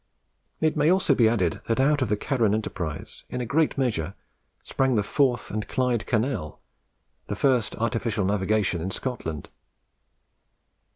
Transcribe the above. It may also be added, that out of the Carron enterprise, in a great measure, sprang the Forth and Clyde Canal, the first artificial navigation in Scotland.